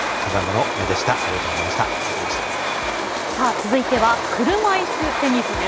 続いては車いすテニスです。